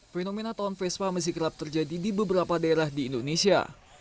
fenomena tahun vespa masih kerap terjadi di beberapa daerah di indonesia